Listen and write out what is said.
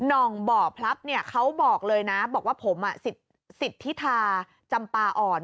น่องบ่อพลับเนี่ยเขาบอกเลยนะบอกว่าผมสิทธิธาจำปาอ่อน